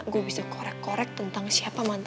gue bisa korek korek tentang siapa yang masak